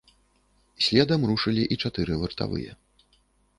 Следам рушылі і чатыры вартавыя.